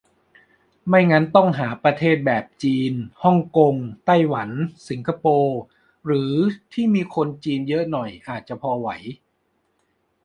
ไม่งั้นต้องหาประเทศแบบ จีน ฮ่องกง ไต้หวัน สิงคโปร์ หรือที่มีคนจีนเยอะหน่อย อาจจะพอไหว